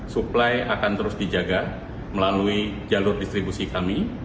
supply akan terus dijaga melalui jalur distribusi kami